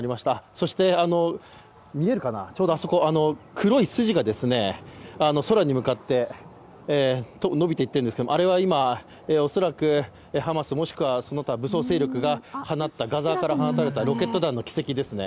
そして、ちょうど黒い筋が空に向かって伸びていってるんですけどもあれは今、恐らくハマスもしくはその他、武装勢力がガザ側が放ったロケット弾の軌跡ですね。